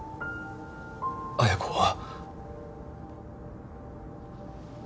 彩子は？